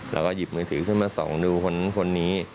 แล้วก็หยิบมือถือขึ้นมาส่องดูคนนี้